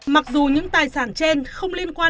mặc dù những tài sản trên không liên quan